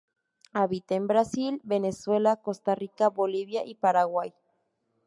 Habita en Brasil, Venezuela, Costa Rica, Bolivia y Paraguay.